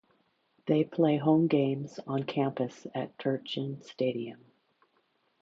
They play home games on campus at Turchin Stadium.